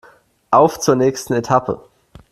Auf zur nächsten Etappe!